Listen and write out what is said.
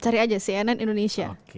cari aja cnnindonesia